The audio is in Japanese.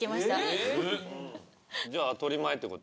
じゃあトリ前ってこと？